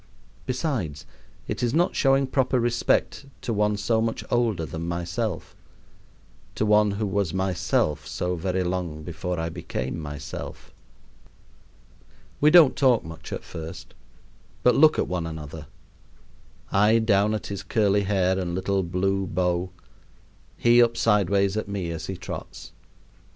Besides, it is not showing proper respect to one so much older than myself to one who was myself so very long before I became myself. We don't talk much at first, but look at one another; I down at his curly hair and little blue bow, he up sideways at me as he trots.